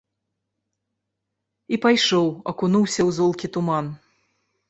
І пайшоў, акунуўся ў золкі туман.